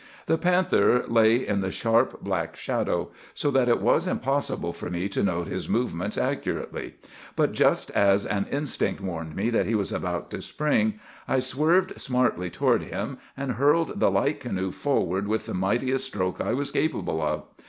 "The panther lay in the sharp black shadow, so that it was impossible for me to note his movements accurately; but just as an instinct warned me that he was about to spring, I swerved smartly toward him, and hurled the light canoe forward with the mightiest stroke I was capable of.